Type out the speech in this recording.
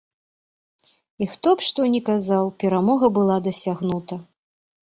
І хто б што ні казаў, перамога была дасягнута.